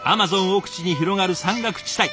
奥地に広がる山岳地帯